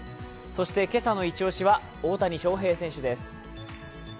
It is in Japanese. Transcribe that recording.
そして今朝のイチ押しは大谷翔平選手です。